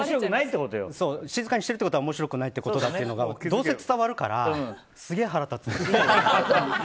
静かにしてるってことは面白くないってことがどうせ伝わるからすげえ腹立つんです。